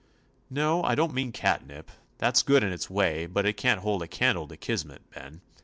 "No, I don't mean catnip. That 's good in its way, but it can't hold a candle to Kismet, Ben.